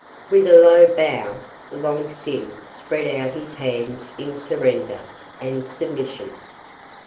With a low bow, Long Sin spread out his hands in surrender and submission.